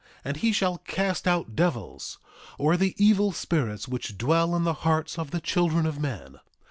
3:6 And he shall cast out devils, or the evil spirits which dwell in the hearts of the children of men.